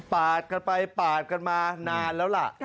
กันไปปาดกันมานานแล้วล่ะ